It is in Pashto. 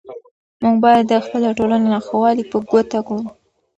موږ باید د خپلې ټولنې ناخوالې په ګوته کړو.